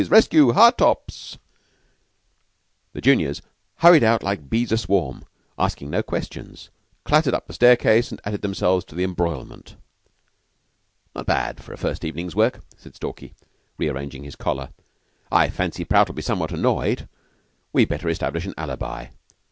Rescue, Hartopps!" The juniors hurried out like bees aswarm, asking no questions, clattered up the staircase, and added themselves to the embroilment. "Not bad for the first evening's work," said Stalky, rearranging his collar. "I fancy Prout'll be somewhat annoyed. We'd better establish an alibi."